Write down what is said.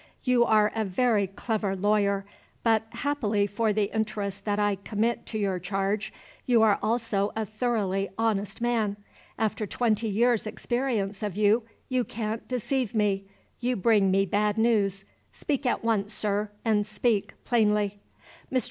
You are a very clever lawyer; but, happily for the interests that I commit to your charge, you are also a thoroughly honest man. After twenty years' experience of you, you can't deceive me. You bring me bad news. Speak at once, sir, and speak plainly." Mr.